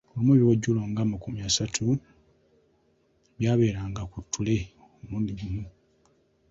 Olumu ebiwojjolo nga amakumi asatu byabeeranga ku ttule omulundi gumu.